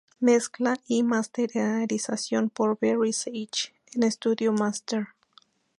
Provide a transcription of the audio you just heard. Mezcla y masterización por Barry Sage en Studio Master.